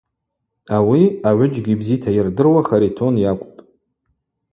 Ауи агӏвыджьгьи бзита йырдыруа Харитон йакӏвпӏ.